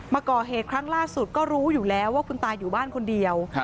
มาก่อเหตุครั้งล่าสุดก็รู้อยู่แล้วว่าคุณตาอยู่บ้านคนเดียว